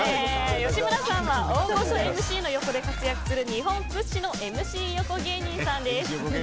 吉村さんは大御所ＭＣの横で活躍する日本屈指のＭＣ横芸人さんです。